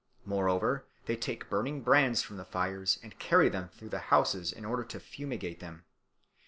Moreover they take burning brands from the fires and carry them through the houses in order to fumigate them.